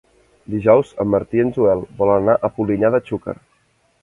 Dijous en Martí i en Joel volen anar a Polinyà de Xúquer.